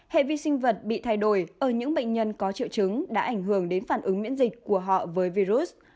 hệ vi sinh vật bị thay đổi ở những bệnh nhân có triệu chứng đã ảnh hưởng đến phản ứng miễn dịch của họ với virus